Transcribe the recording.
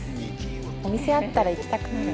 「お店あったら行きたくなる」